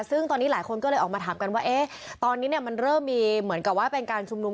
ซึ่งตอนนี้หลายคนก็เลยออกมาถามกันว่าตอนนี้เริ่มมีเป็นการชุมนุม